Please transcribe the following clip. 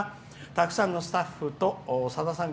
「たくさんのスタッフとさださん